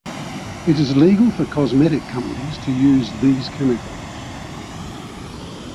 It is legal for cosmetic companies to use these chemicals.